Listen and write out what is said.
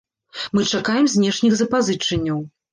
Мы чакаем знешніх запазычанняў.